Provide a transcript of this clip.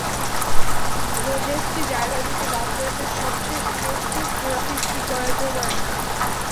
ভোজেসকে জায়গা দিতে বাদ পড়েছেন সবশেষ টেস্টে জোড়া ফিফটি করা জো বার্নস।